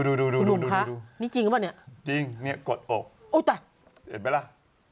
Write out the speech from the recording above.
คุณหนุ่มนะครับนี่จริงหรือเปล่า